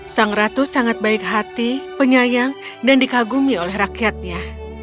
sang ratu sangat baik hati penyayang dan dikagumi oleh rakyatnya